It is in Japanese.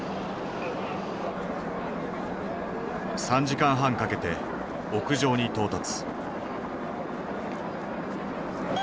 ３時間半かけて屋上に到達。